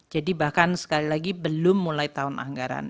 jadi bahkan sekali lagi belum mulai tahun anggaran